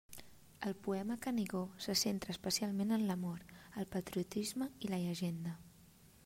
El poema Canigó se centra especialment en l'amor, el patriotisme i la llegenda.